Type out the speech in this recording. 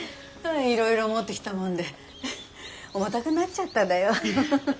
いろいろ持ってきたもんで重たくなっちゃっただよハハハハ。